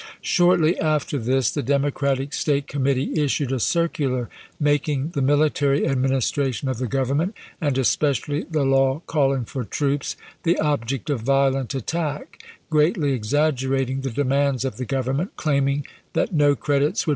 Shortly after this the Democratic State Committee issued a circular making the military administration of the Government, and especially the law calling for troops, the object of violent attack, greatly exaggerating the demands of the Government, claiming that no credits would be General Fry, "New York and the Con scription," p.